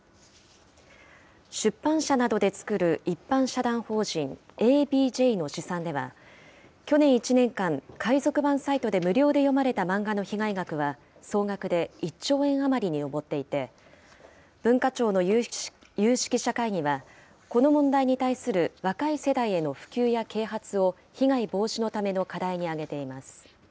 出版社などで作る一般社団法人ＡＢＪの試算では、去年１年間、海賊版サイトで無料で読まれた漫画の被害額は、総額で１兆円余りに上っていて、文化庁の有識者会議は、この問題に対する若い世代への普及や啓発を被害防止のための課題に挙げています。